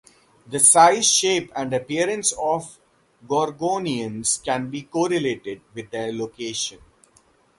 The size, shape, and appearance of gorgonians can be correlated with their location.